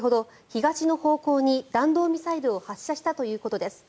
東の方向に弾道ミサイルを発射したということです。